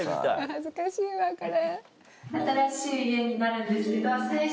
恥ずかしいわこれ。